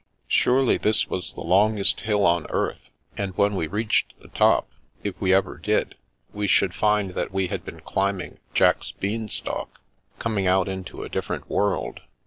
Surely this was the longest hill on earth, and when we reached the top— if we ever did — ^we should find that we had been climbing Jack's Bean stalk, coming out into a different world!